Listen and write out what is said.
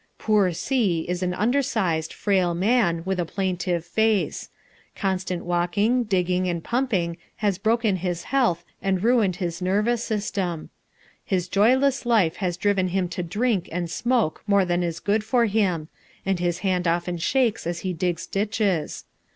Poor C is an undersized, frail man, with a plaintive face. Constant walking, digging, and pumping has broken his health and ruined his nervous system. His joyless life has driven him to drink and smoke more than is good for him, and his hand often shakes as he digs ditches.